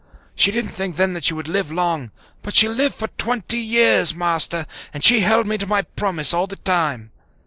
She didn't think then that she would live long, but she lived for twenty years, Master, and she held me to my promise all the time.